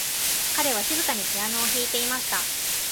彼は静かにピアノを弾いていました。